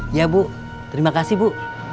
iya bu terima kasih bu